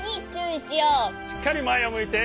しっかりまえをむいて！